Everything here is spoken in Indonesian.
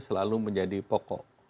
selalu menjadi pokok